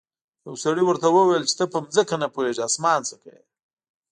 یو سړي ورته وویل چې ته په ځمکه نه پوهیږې اسمان څه کوې.